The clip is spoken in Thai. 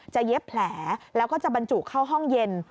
เย็บแผลแล้วก็จะบรรจุเข้าห้องเย็น